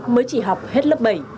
mới trị học hết lớp bảy